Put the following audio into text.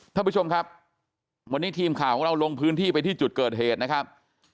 ท่านผู้ชมครับวันนี้ทีมข่าวของเราลงพื้นที่ไปที่จุดเกิดเหตุนะครับ